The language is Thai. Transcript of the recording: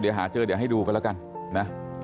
เดี๋ยวหาเจอให้ดูกันแล้วกัน